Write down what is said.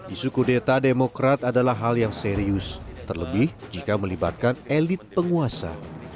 isu kudeta demokrat adalah hal yang serius terlebih jika melibatkan elit penguasa